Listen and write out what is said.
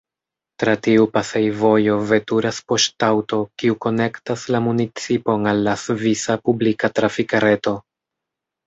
Tra tiu pasejvojo veturas poŝtaŭto, kiu konektas la municipon al la svisa publika trafikreto.